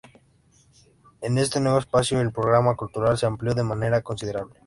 En este nuevo espacio, el programa cultural se amplió de manera considerable.